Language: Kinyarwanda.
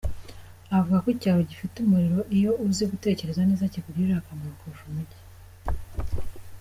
Avuga ko icyaro gifite umuriro uyo uzi gutekereza neza kikugirira akamaro kurusha umujyi.